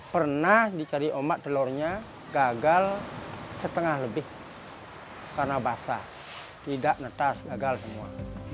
pernah dicari ombak telurnya gagal setengah lebih karena basah tidak netas gagal semua